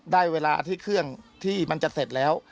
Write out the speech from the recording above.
ได้เวลาที่เครื่องที่มันจะเสร็จแล้ว